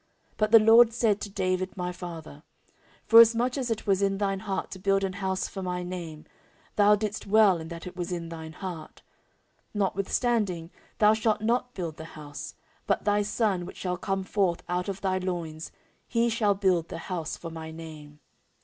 14:006:008 But the LORD said to David my father, Forasmuch as it was in thine heart to build an house for my name, thou didst well in that it was in thine heart: 14:006:009 Notwithstanding thou shalt not build the house; but thy son which shall come forth out of thy loins, he shall build the house for my name.